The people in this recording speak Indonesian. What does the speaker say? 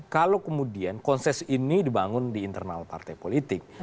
kalau kemudian konses ini dibangun di internal partai politik